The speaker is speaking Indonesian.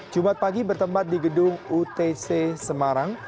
jumat pagi bertempat di gedung utc semarang